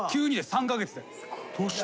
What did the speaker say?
３カ月で。